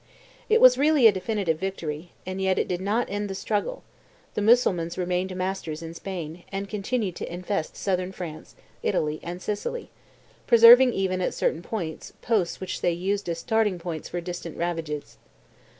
It was really a definitive victory, and yet it did not end the struggle; the Mussulmans remained masters in Spain, and continued to infest Southern France, Italy, and Sicily, preserving even, at certain points, posts which they used as starting points for distant ravages.